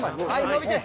伸びて！